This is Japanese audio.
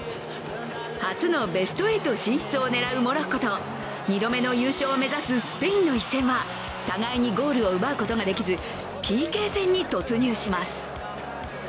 初のベスト８進出を狙うモロッコと２度目の優勝を目指すスペインの一戦は互いにゴールを奪うことができず、ＰＫ戦に突入します。